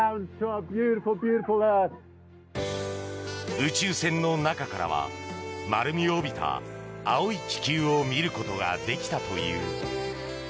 宇宙船の中からは丸みを帯びた青い地球を見ることができたという。